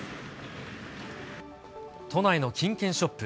都内の金券ショップ。